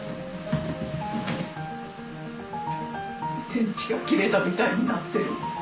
電池が切れたみたいになってる。